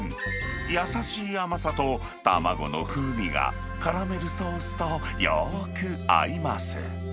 優しい甘さと卵の風味がカラメルソースとよく合います。